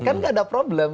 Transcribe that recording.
kan gak ada problem